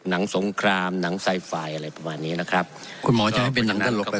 สงครามหนังไซไฟล์อะไรประมาณนี้นะครับคุณหมอจะให้เป็นหนังตลกกับ